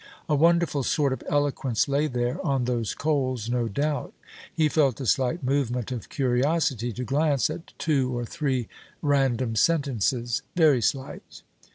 A wonderful sort of eloquence lay there, on those coals, no doubt. He felt a slight movement of curiosity to glance at two or three random sentences: very slight.